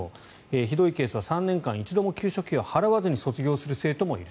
ひどいケースは３年間一度も給食費を払わずに卒業する生徒もいる。